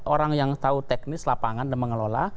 orang yang tahu teknis lapangan dan mengelola